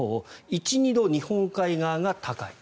１２度、日本海側が高い。